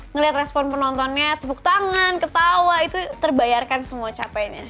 ngelihat respon penontonnya tepuk tangan ketawa itu terbayarkan semua capeknya